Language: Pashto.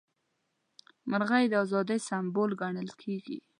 مرغۍ د ازادۍ سمبول ګڼل کیږي.